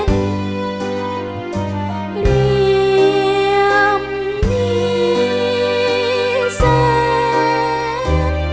เรียมมีแสง